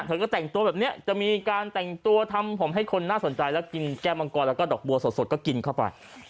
เธอก็แต่งตัวแบบนี้จะมีการแต่งตัวทำผมให้คนน่าสนใจแล้วกินแก้มังกรแล้วก็ดอกบัวสดก็กินเข้าไป